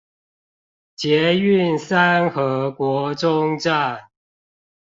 捷運三和國中站